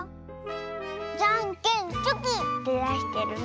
じゃんけんチョキ！ってだしてるね。